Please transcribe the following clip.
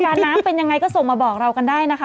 น้ำเป็นยังไงก็ส่งมาบอกเรากันได้นะคะ